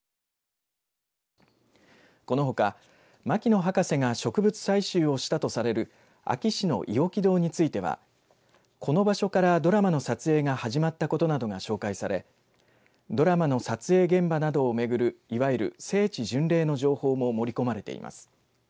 このほか牧野博士が植物採集をしたとされる安芸市の伊尾木洞についてはこの場所からドラマの撮影が始まったことなどが紹介されドラマの撮影現場などを巡るいわゆる聖地巡礼の情報も盛り込まれています。